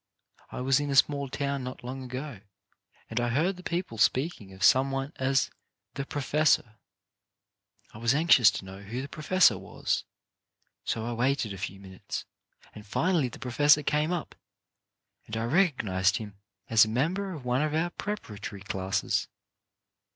I was in a small town not long ago, and I heard the people speaking of some one as "the profes sor." I was anxious to know who the pro fessor was. So I waited a few minutes, and finally the professor came up, and I recog nized him as a member of one of our pre paratory classes.